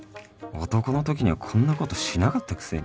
男のときにはこんなことしなかったくせに